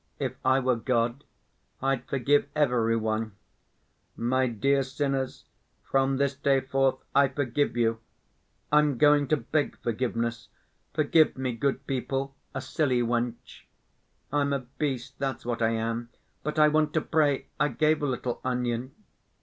If I were God, I'd forgive every one: 'My dear sinners, from this day forth I forgive you.' I'm going to beg forgiveness: 'Forgive me, good people, a silly wench.' I'm a beast, that's what I am. But I want to pray. I gave a little onion.